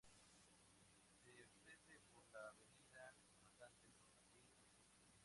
Se accede por la avenida Comandante San Martín al sur.